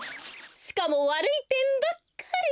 しかもわるいてんばっかり。